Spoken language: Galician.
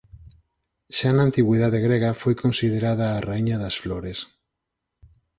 Xa na antigüidade grega foi considerada a "raíña das flores".